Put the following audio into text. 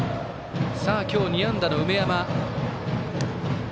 今日２安打の梅山。